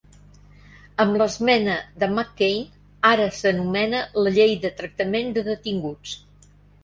Amb l'esmena de McCain, ara s'anomena la llei de tractament de detinguts.